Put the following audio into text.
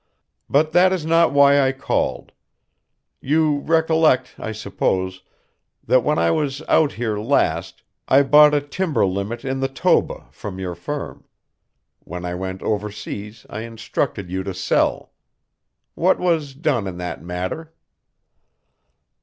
"But that is not why I called. You recollect, I suppose, that when I was out here last I bought a timber limit in the Toba from your firm. When I went overseas I instructed you to sell. What was done in that matter?"